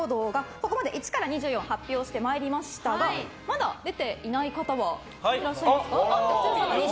ここまで１から２４を発表してまいりましたがまだ出ていない方はいらっしゃいますか？